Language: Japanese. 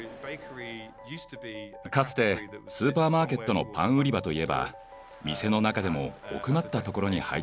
かつてスーパーマーケットのパン売り場といえば店の中でも奥まった所に配置されていたものでした。